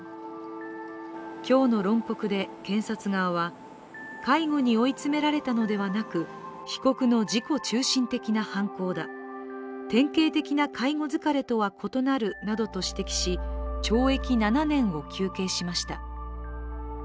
今日の論告で検察側は、介護に追い詰められたのではなく被告の自己中心的な犯行だ、典型的な介護疲れとは異なるなどと指摘し懲役７年を求刑しました。